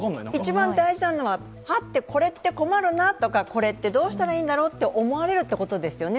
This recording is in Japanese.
一番大事なのは、これって困るなこれってどうしたらいいんだろうって思われることですよね。